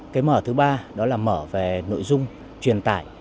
cái mở thứ ba đó là mở về nội dung truyền tải